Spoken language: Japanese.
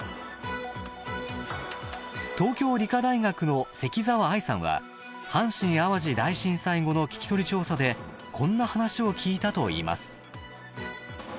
東京理科大学の関澤愛さんは阪神・淡路大震災後の聞き取り調査でこんな話を聞いたといいます。